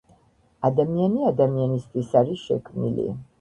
ადამიანი ადამიანისთვის არის შექმნილი